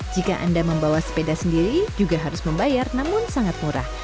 jika anda membawa sepeda sendiri juga harus membayar namun sangat murah